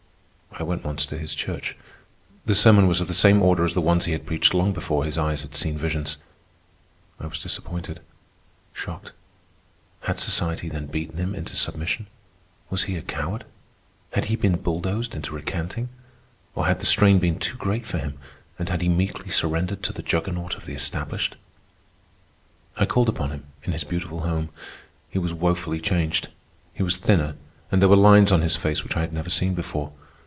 I went once to his church. The sermon was of the same order as the ones he had preached long before his eyes had seen visions. I was disappointed, shocked. Had society then beaten him into submission? Was he a coward? Had he been bulldozed into recanting? Or had the strain been too great for him, and had he meekly surrendered to the juggernaut of the established? I called upon him in his beautiful home. He was woefully changed. He was thinner, and there were lines on his face which I had never seen before.